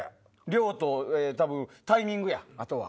量とタイミングやあとは。